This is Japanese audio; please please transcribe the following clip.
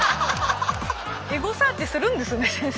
エゴサーチするんですね先生。